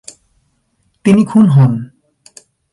তিনি খুন হন।